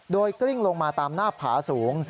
โดยกลิ้งลงมาตามหน้าผาสูง